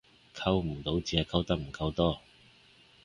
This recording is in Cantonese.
溝唔到只係溝得唔夠多